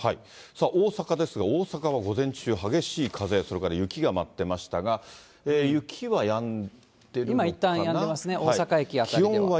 大阪ですが、大阪は午前中、激しい風、それから雪が舞ってましたが、今、いったんやんでますね、大阪駅辺りは。